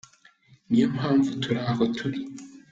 Ni yo mpamvu turi aho turi.